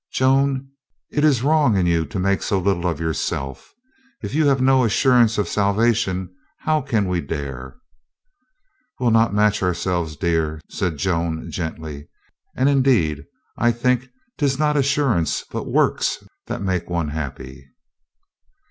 "Joan! It is wrong in you to make so little of yourself. If you have no assurance of salvation, how can we dare?" 368 WIFE AND MAID 369 "We'll not match ourselves, dear," said Joan gen tly. "And, indeed, I think 'tis not assurance but works that make one happy."